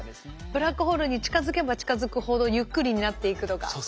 ブラックホールに近づけば近づくほどゆっくりになっていくとか。